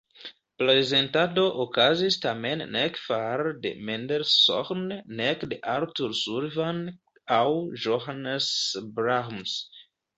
Prezentado okazis tamen nek fare de Mendelssohn nek de Arthur Sullivan aŭ Johannes Brahms.